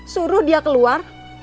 suruh dia keluar